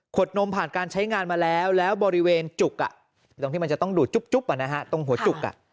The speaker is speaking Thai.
นมผ่านการใช้งานมาแล้วแล้วบริเวณจุกตรงที่มันจะต้องดูดจุ๊บตรงหัวจุก